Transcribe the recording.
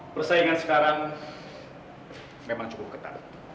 persaingan sekarang memang cukup ketat